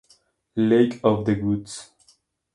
Lake of the Woods